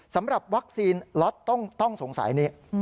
สำหรับวัคซีนล็อตต้องสงสัยนี้